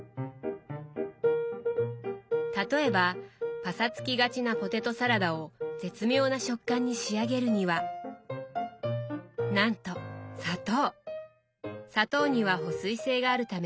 例えばパサつきがちなポテトサラダを絶妙な食感に仕上げるにはなんと砂糖！